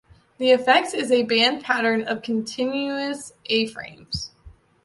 The effect is a band pattern of contiguous A-frames.